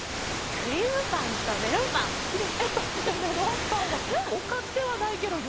クリームパンとメロンパンはおかずではないケロよ。